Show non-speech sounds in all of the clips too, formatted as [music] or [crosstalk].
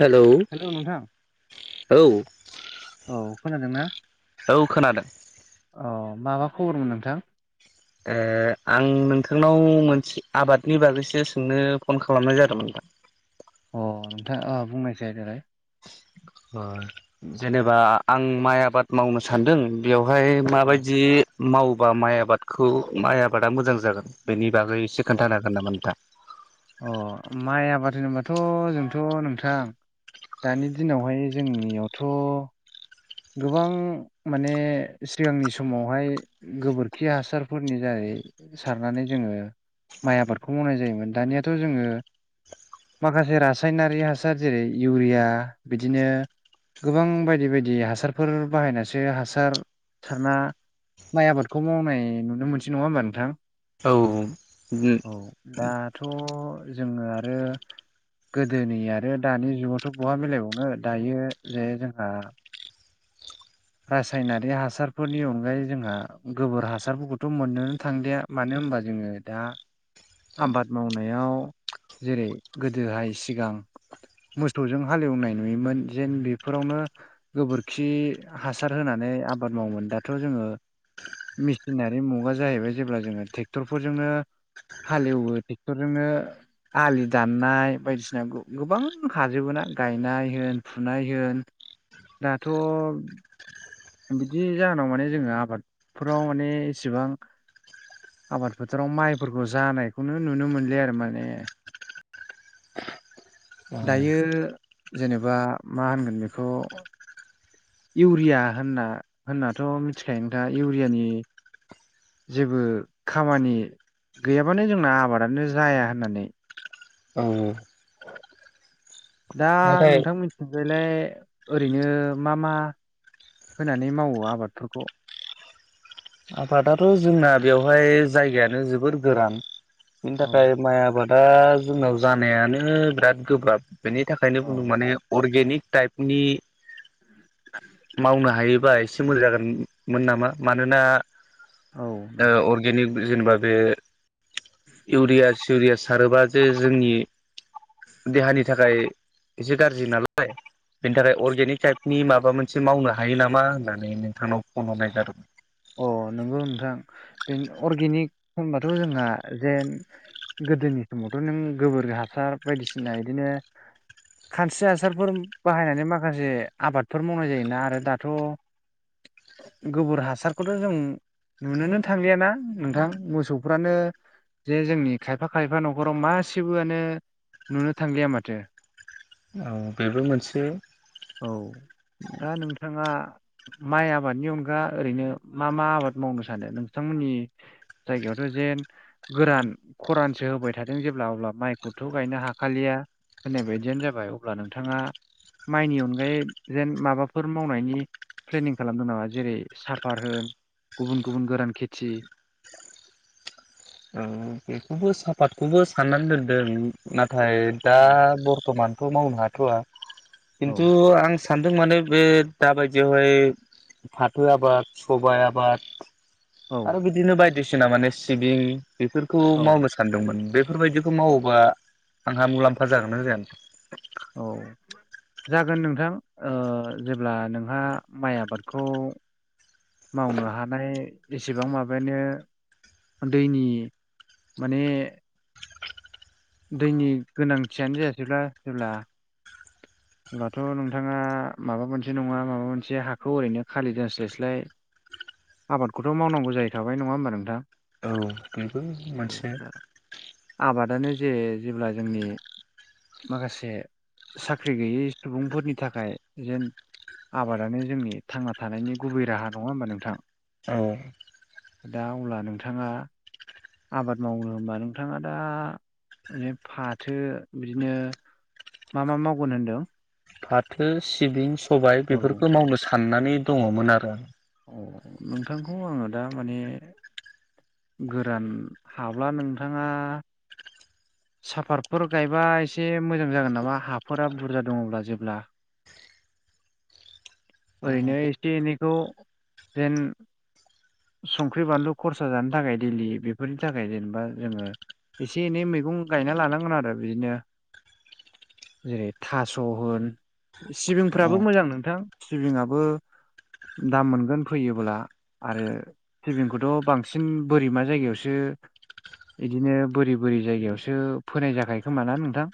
Hello hello नोंथां औ औ खोनादों ना औ खोनादों अ माबा खबरमोन नोंथां ओ आं नोंथांनाव मोनसे आबादनि बागैसो सोंनो फन खालामनाय जादोंमोन नोंथां अ नोंथाङा अ बुंनायसाय देलाय ओ जेनेबा आं माइ आबाद मावनो सानदों बेवहाय औ माबायदि मावबा माइ आबादखौ माइ आबादा मोजां जागोन बेनि बागै एसे खोन्थानो हागोन नामा नोंथां अ माइ आबाद होनोबाथ' जोंथ' नोंथां दानि दिनावहाय जोंनियावथ' गोबां माने सिगांनि समावहाय गोबोरखि हासारफोरनि जारै सारनानै जोङो माइ आबादखौ मावनाय जायोमोन दानियाथ' जोङो माखासे रासायनारि हासार जेरै इउरिया बिदिनो गोबां बायदि बायदि हासारफोर बाहायनासो हासार सारना माइ आबादखौ मावनाय नुनो मोनसै नङा होमबा नोंथां औ बुं [unintelligible] औ दाथ' जोङो आरो गोदोनि आरो दानि जुगावथ' बहा मिलायबावनो दायो जे जोंहा रासायनारि हासारफोरनि अनगायै जोंहा गोबोर हासारफोरखौथ' मोननोनो थांलिया मानो होनबा जोङो दा आबाद मावनायाव जेरै गोदोहाय सिगां मोसौजों हालेवनाय नुयोमोन जेन बेफोरावनो गोबोरखि हासार होनानै आबाद मावोमोन दाथ' जोङो मेसिनारि मुगा जाहैबाय जेब्ला जोङो ट्रेक्टरफोरजोंनो हालेवो ट्रेक्टरजोंनो आलि दाननाय बायदिसिना गोबां हाजोबो ना गायनाय होन फुनाय होन दाथ' बिदि जाहोनाव माने जोङो आबादफोराव माने एसेबां आबाद फोथाराव माइफोरखौ जानायखौनो नुनो मोनलिया आरो माने दायो जेनेबा मा होनगोन बेखौ इउरिया होनना होननाथ' मिथिखायो नोंथाङा इउरियानि जेबो खामानि गैयाबानो जोंना आबादानो जाया होननानै औ औ दा नाथाय नोंथांमोन बिबायलाय ओरैनो मा मा होनानै मावो आबादफोरखौ आबादाथ' जोंना बेवहाय जायगायानो जोबोर गोरान बिनि औ थाखाय माइ आबाद दा जोंनाव जानायानो बिराद गोब्राब बेनि थाखायनो बुंदों माने अर्गेनिक टाइप उनि मावनो हायोबा एसे मोजां जागोनमोन नामा? मानोना औ नंगौ अगेनिक जेनेबा बे इउरिया सिउरिया सारोबा जे जोंनि देहानि थाखाय एसे गाज्रि नालालाय बेनि थाखाय अर्गेनिक टाइपनि माबा मोनसे मावनो हायो नामा होननानै नोंथांनाव फन हरनाय जादोंमोन। अ नंगौ नोंथां बे अर्गेनिक होनबाथ' जोंहा जेन गोदोनि समावथ' नों गोबोर हासार बायदिसिना बिदिनो खानस्रि हासारफोर बाहायनानै माखासे आबादफोर मावनाय जायोना आरो दाथ' गोबोर हासार खौथ' जों नुनोनो थांलियाना नोंथां मोसौफ्रानो जे जोंनि खायफा खायफा न'खराव मासेबोआनो नुनो थांलिया माथो। औ बेबो मोनसे औ दा नोंथाङा माइ आबादनि अनगा ओरैनो मा मा आबाद मावनो सानो? नोंथांमोननि जायगायावथ' जेन गोरान खरानसो होबाय थादों जेब्ला अब्ला माइखौथ' गायनो हाखालिया। होनाय बायदियानो जाबाय। अब्ला नोंथाङा माइनि अनगायै जेन माबाफोर मावनायनि प्लेनिं खालामदों नामा? जेरै सा फार होनोन गुबुन गुबुन गोरान खेथि औ बेखौबो साफातखौबो साननानै दोनदों नाथाय दा औ बरथमानथ' मावनो हा औ खिथु आं सानदों माने बे दाबायदियावहाय फाथो आबाद सबाइ आबाद औ आरो बिदिनो बायदिसिना माने सिबिं बेफोरखौ औ मावनो सानदोंमोन बेफोरबायदिखौ मावोबा आंहा मुलाम्फा जागोन ना जायानो? औ जागोन नोंथां जेब्ला नोंहा माइ आबादखौ मावनो हानाय एसेबां माबानो दैनि माने दैनि गोनांथियानो जायासैब्ला जेब्ला अब्लाथ' नोंथाङा माबा मोनसे नङा माबा मोनसे हाखौ ओरैनो खालिदोनस्लायस्लाय आबादखौथ' मावनांगौ जाहैखाबाय नङा होमबा नोंथां? औ बेबो औ मोनसे दा आबादानो जे जेब्ला जोंनि माखासे साख्रि गैयै सुबुंफोरनि थाखाय जेन आबादानो जोंनि थांना थानायनि गुबै राहा नङा होमबा नोंथां? औ दा अब्ला नोंथाङा आबाद मावनो होनबा नोंथाङा दा मा फाथो बिदिनो मा मा मावगोन होनदों नोंथां? फाथो सिबिं सबाय औ बेफोरखौ मावनो साननानै दङमोन आरो आरो। अ नोंथांखौ आङो दा माने गोरान हाब्ला नोंथाङा साफातफोर गायबा एसे मोजां जागोन नामा हाफोरा बुरजा दङब्ला जेब्ला? ओरैनो एसे एनैखौ ट्रेन संख्रि बानलु खरसा जानो थाखाय दैलि बेफोरनि थाखाय जेनेबा जोङो एसे एनै मैगं गायना लानांगोन आरो बिदिनो जेरै थास' होन सिबिंफ्राबो मोजां नोंथां सिबिंआबो दाम मोनगोन फोयोब्ला आरो सिबिंखौथ' बांसिन बोरैमा जायगायावसो बिदिनो बोरि बोरि जायगायावसो फोनाय जाखायो खोमा ना नोंथां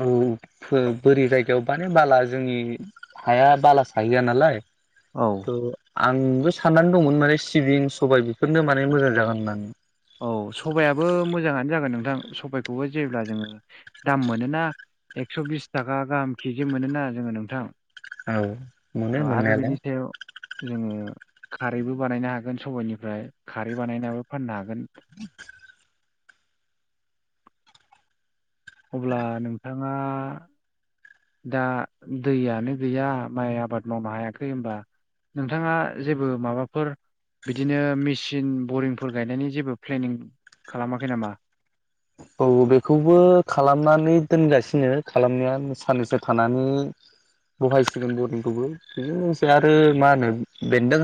औ। बोरि जायगायाव माने बाला जोंनि हाया बाला साहैया नालाय। औ। थ' आंबो साननानै दंमोन माने सिबिं सबाय बेफोरनो माने मोजां जागोन होननानै। औ सबायाबो मोजाङानो जागोन नोंथां सबायखौबो जेब्ला जोङो। दाम मोनोना एक्स' बिस थाखा गाहाम केजि मोनोना जोङो नोंथां। औ। मोनो अ आरो मोननायालाय बिनि सायाव जोङो खारैबो बानायनो हागोन सबाइनिफ्राय खारै बानायनाबो फाननो हागोन [inaudible] अब्ला नोंथाङा दा दैयानो गैया माइ आबाद मावनो हायाखै होमबा नोंथाङा जेबो माबाफोर बिदिनो मेसिन बरिंफोर गायनायनि जेबो प्लेनिं खालामाखै नामा औ बेखौबो खालामनानै दोनगासिनो खालामनाया साननैसो थानानै बहाय संगोन बरडंखौबो बेजों लोगोसे आरो मा होनो बेन्दों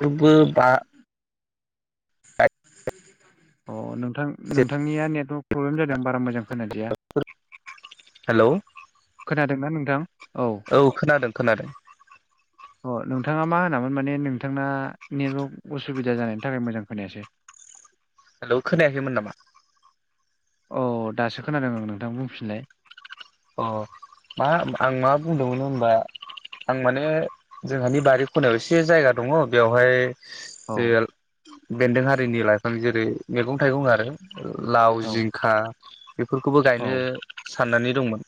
फोरबो बा अ नोंथां नोंथांनिया नेटवर्क प्रब्लेम जादों बारा मोजां खोनादिया हेल' खोनादोंना नोंथां औ। औ खोनादों खोनादों। [inaudible] अ नोंथाङा मा होनामोन माने नोंथांना नेटवर्क असुबिदा जानायनि थाखाय मोजां खोनायासै हेल' खोनायाखैमोन नामा औ दासो खोनादों आं नोंथां बुंफिनलाय अ मा आं मा बुंदोंमोन होनबा आं माने जोंहानि बारि खनायाव एसे जायगा दङ बेवहाय औ जे बेन्दों हारिनि लाइफां जेरै मैगं थाइगं आरो लाव औ जिंखा बेफोरखौबो औ गायनो साननानै दंमोन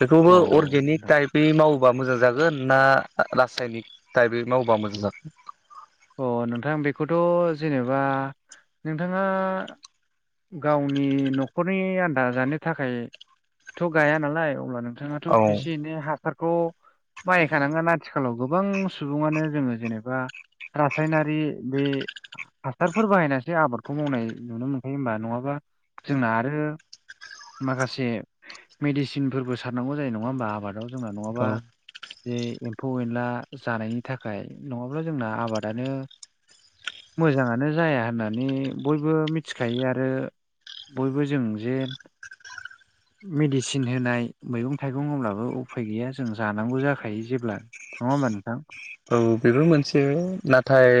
बेखौबो अर्गेनिक औ टाइपै मावोबा मोजां जागोन ना रासायनिक टाइपै मावोबा मोजां जागोन अ नोंथां बेखौथ' जेनेबा नोंथाङा गावनि न'खरनि आन्दा जानो थाखायथ' गाया नालाय अब्ला नों जागोन? औ नोंथाङाथ' एसे एनै हा हासारखौ बाहायखानांगोन आथिखालाव गोबां सुबुङानो जोङो जेनेबा रासायनारि बे हासारफोर बाहायनासो आबादखौ मावनाय नुनो मोनखायो हबा नङाबा जोंना आरो माखासे मेडिसिनफोरबो सारनांगौ जायो नङा होमबा आबादाव जोंना औ नङाबा जे एम्फौ एनला जानायनि थाखाय नङाब्ला जोंना आबाद आनो मोजाङानो जाया होननानै बयबो मिथिखायो आरो बयबो जों जेन मेडिसिन होनाय मैगं थाइगं अब्लाबो उफाय गैया जों जानांगौ जाखायो जेब्ला नङा होनबा नोंथां औ बेफोर मोनसे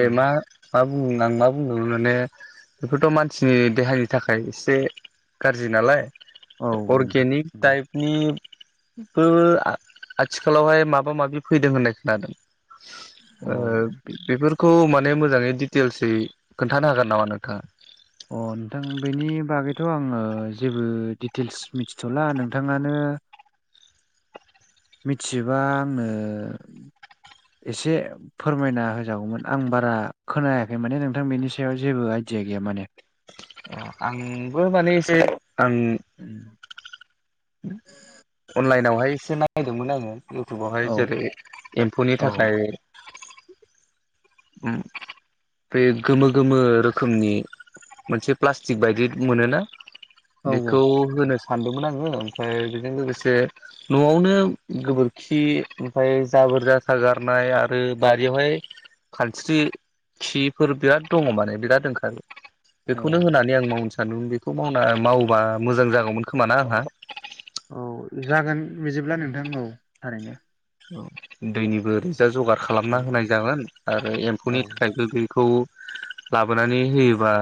औ मा मा बुं आं मा बुंबावगोन माने बेफोरथ' मानसिनि देहानि थाखाय एसे गाज्रि नालाय औ नोंथां अर्गेनिक नंगौ टाइप नि बो आथिखालावहाय माबा माबि फैदों होननाय खोनादों अ ओ बे बेफोर खौ माने मोजाङै दिटेल्सयै खोन्थानो हागोन नामा नोंथां अ नोंथां बेनि बागैथ' आङो जेबो दिडिटेल्स मिथिथ'ला नोंथाङानो मिथियोबा आंनो एसे फोरमायना होजागौमोन आं बारा खोनायाखै माने नोंथां बेनि सायाव जेबो आइदिया गैया माने आंबो माने एसे आं अनलाइनावहाय एसे नायदोंमोन आङो इउटुबावहाय औ जेरै एम्फौनि औ थाखाय [inaudible] उम बे गोमो गोमो रोखोमनि मोनसे प्लास्टिक बायदि मोनोना औ बेखौ नोंथां होनो सानदोंमोन आंङो ओमफ्राय बेजों लोगोसे न'आवनो गोबोरखि ओमफ्राय जाबोर जाथा गारनाय आरो बारियावहाय खानस्रि खिफोर बिराद दङो माने बिराद ओंखारो खौनो अ होनानै आं मावनो सानदों बेखौ मावना मावोबा मोजां जागौमोन खोमाना आंहा औ जागोन बिदिब्ला नोंथां औ थारैनो दैनिबो ओरैजा जगार औ खालामना होनाय जाला आरो औ एम्फौनि थाखायबो बेखौ लाबोनानै होयोबा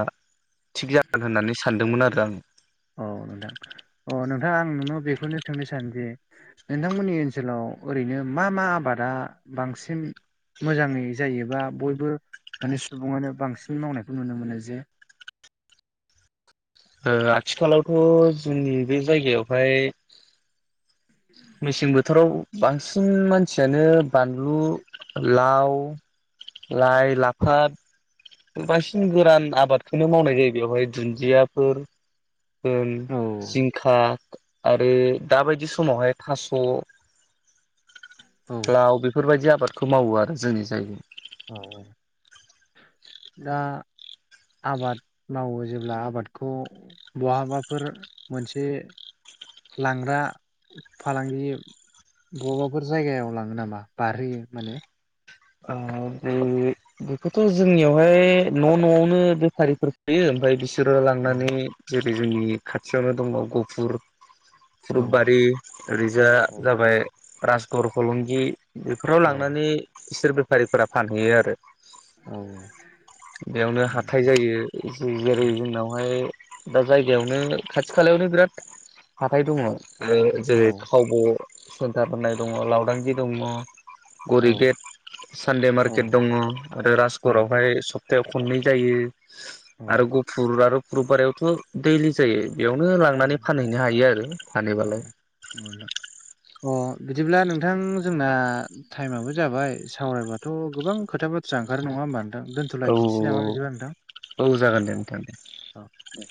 थिग जागोन होननानै सानदोंमोन आरो आं औ नोंथां अ नोंथां आं नोंनाव बेखौनो सोंनो सानोदि नोंथांमोननि ओनसोलाव ओरैनो मा मा आबादा बांसिन मोजाङै जायोबा बयबो माने सुबुङानो बांसिन मावनायखौ नुनो मोनो जे आरो आथिखालावथ' जोंनि बे जायगायावहाय मेसें बोथोराव बांसिन मानसियानो बानलु लाव लाइ लाफात बांसिन गोरान आबादखौनो मावनाय जायो बेवहाय दुन्दियाफोर होन औ जिंखा आरो दाबायदि समावहाय थास' औ लाव बेफोरबायदि आबादखौ मावो आरो जोंनि जायगायाव औ औ दा आबाद मावो जेब्ला आबादखौ बहाबाफोर मोनसे लांग्रा फालांगि बबावबाफोर जायगायाव लाङो नामा बारहोयो माने आरो बे बेखौथ' जोंनियावहाय न' न'आवनो बेफारिफोर फैयो ओमफ्राय बिसोर बिसोरो लांनानै जेरै जोंनि खाथियावनो दङ गफुर औ सुरबारि ओरैजा औ जाबाय राजगर हलंगि बेफोराव औ लांनानै बिसोर बेफारिफोरा फानहैयो आरो औ बेयावनो हाथाय औ जायो जेरै जोंनावहाय दा जायगायावनो खाथि खालायावनो बिराद हाथाय दङ औ जेरै खावब' सेन्टार होननाय दङ लावदांगि दङ औ गरिगेट सानदे औ मारकेट दङ आरो राजासगरावहाय सप्थायाव खननै जायो आरो औ ग फुर आरो फुरु बारायावथ' दैलि जायो बेयावनो औ लांनानै फानहैनो हायो आरो फानहैबालाय अ बिदिब्ला नोंथां जोंना टाइमआबो जाबाय सावरायबाथ' गोबां खोथा बाथ्रा ओंखारो नङा होमबा नोंथां दोन दोनथ औ लायनोसै नामा बिदिबा नोंथां औ जागोन दे औ नोंथां दे औ दे